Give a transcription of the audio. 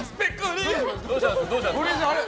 あれ？